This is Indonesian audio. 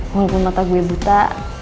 walaupun mata gue buta